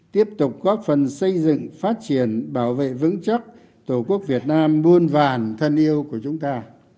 tiếp tục góp phần xây dựng phát triển bảo vệ vững chắc tổ quốc việt nam muôn vàn thân yêu của chúng ta